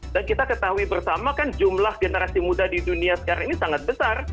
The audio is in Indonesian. dan kita ketahui bersama kan jumlah generasi muda di dunia sekarang ini sangat besar